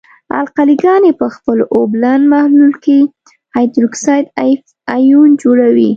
القلې ګاني په خپل اوبلن محلول کې هایدروکساید آیون جوړوي.